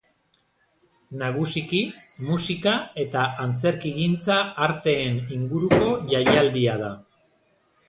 Nagusiki musika eta antzerkigintza arteen inguruko jaialdia da.